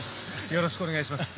よろしくお願いします。